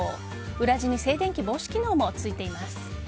裏地に静電気防止機能も付いています。